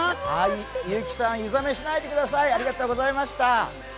結城さん、湯冷めしないでください、ありがとうございました。